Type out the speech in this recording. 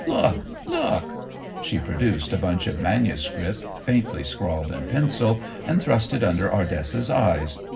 Look! Look!" She produced a bunch of manuscript faintly scrawled in pencil, and thrust it under Ardessa's eyes.